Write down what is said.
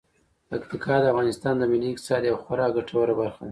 پکتیکا د افغانستان د ملي اقتصاد یوه خورا ګټوره برخه ده.